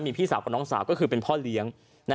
มีพี่สาวกับน้องสาวก็คือเป็นพ่อเลี้ยง